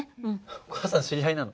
お母さん知り合いなの？